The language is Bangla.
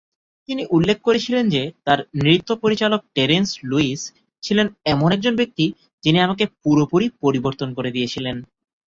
তিনি উল্লেখ করেছিলেন যে তাঁর নৃত্য পরিচালক টেরেন্স লুইস ছিলেন "এমন একজন ব্যক্তি, যিনি আমাকে পুরোপুরি পরিবর্তন করে দিয়েছিলেন"।